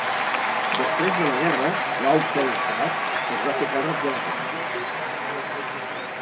Després de la guerra, Vought Aircraft es va fer càrrec de la planta.